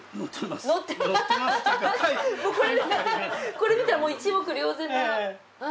これ見たら一目瞭然な。